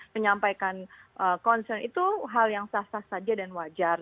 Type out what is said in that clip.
menyampaikan concern itu hal yang sah sah saja dan wajar